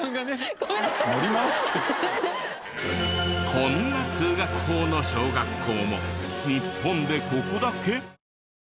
こんな通学法の小学校も日本でここだけ！？